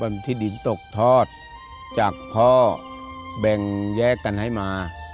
มันที่ดินตกทอดจากพ่อแบ่งแยกกันให้มา